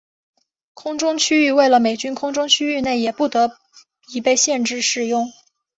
空中区域为了美军空中区域内也被不得已限制使用。